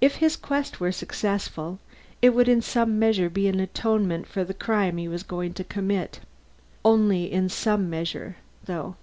If his quest were successful, it would in some measure be an atonement for the crime he was going to commit. Only in some measure, though.